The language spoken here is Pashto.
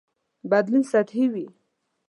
بدلون سطحي وي.